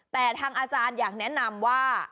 แต่ทางอาจารย์อยากแนะนำว่า